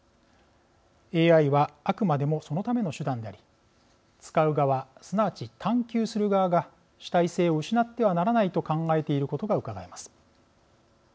ＡＩはあくまでもそのための手段であり使う側、すなわち探究する側が主体性を失ってはならないと考えていることがうかがえます。